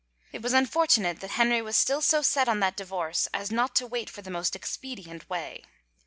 It was unfortunate that Henry was still so set on that divorce as not to wait for the most expedient way.